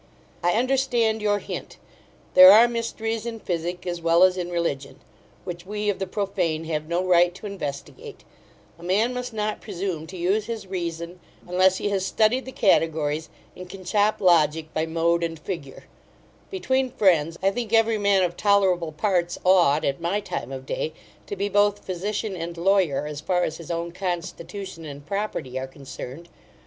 I understand your hint. There are mysteries in physic, as well as in religion; which we of the profane have no right to investigate A man must not presume to use his reason, unless he has studied the categories, and can chop logic by mode and figure Between friends, I think every man of tolerable parts ought, at my time of day, to be both physician and lawyer, as far as his own constitution and property are concerned.